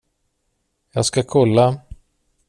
Jag ska kolla.